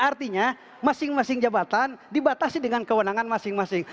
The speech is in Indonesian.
artinya masing masing jabatan dibatasi dengan kewenangan masing masing